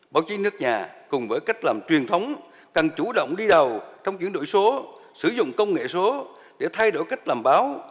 báo chí nước nhà cùng với cách làm truyền thống cần chủ động đi đầu trong chuyển đổi số sử dụng công nghệ số để thay đổi cách làm báo